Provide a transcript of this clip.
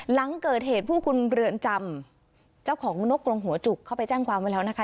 หลังเกิดเหตุผู้คุมเรือนจำเจ้าของนกกรงหัวจุกเข้าไปแจ้งความไว้แล้วนะคะ